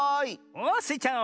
おおスイちゃん